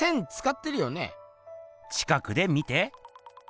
近くで見て。